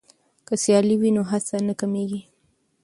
که سیالي وي نو هڅه نه کمېږي.